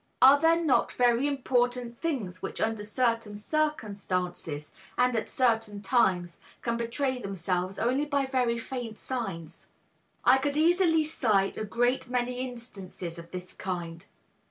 Are there not very important things which under certain circumstances, and at certain times, can betray themselves only by very faint signs? I could easily cite a great many instances of this kind.